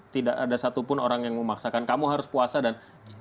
tidak ada satupun orang yang memaksakan kamu harus puasa dan